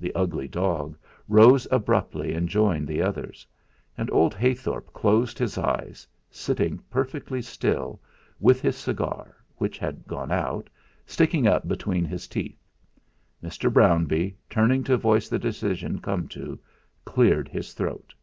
The "ugly dog" rose abruptly and joined the others. And old Heythorp closed his eyes, sitting perfectly still, with his cigar, which had gone out, sticking up between his teeth. Mr. Brownbee turning to voice the decision come to, cleared his throat.